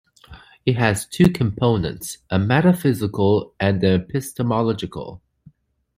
It has two components: a metaphysical and an epistemological.